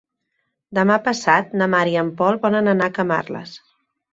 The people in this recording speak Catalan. Demà passat na Mar i en Pol volen anar a Camarles.